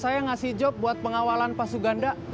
saya ngasih job buat pengawalan pak suganda